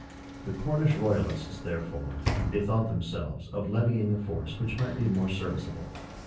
The Cornish royalists, therefore, bethought themselves of levying a force which might be more serviceable.